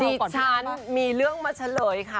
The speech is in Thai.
ดิฉันมีเรื่องมาเฉลยค่ะ